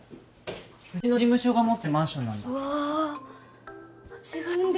うちの事務所が持ってるマンションなんだ。